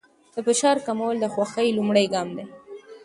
د فشار کمول د خوښۍ لومړی ګام دی.